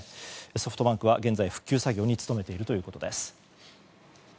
ソフトバンクは現在、復旧作業に努めているということです。